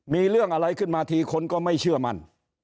มีเรื่องอะไรขึ้นมาทีคนก็ไม่เชื่อมั่น